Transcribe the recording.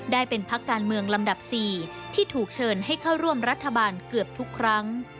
ได้เป็นพักการเมืองลำดับ๔ที่ถูกเชิญให้เข้าร่วมรัฐบาลเกือบทุกครั้ง